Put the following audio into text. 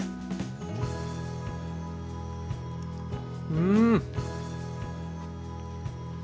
うん！